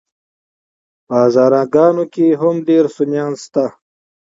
په هزاره ګانو کي هم ډير سُنيان شته